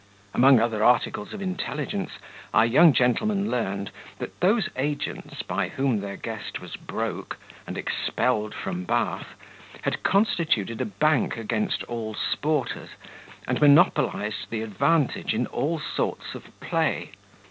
Among other articles of intelligence, our young gentleman learned, that those agents, by whom their guest was broke, and expelled from Bath, had constituted a bank against all sporters, and monopolized the advantage in all sorts of play.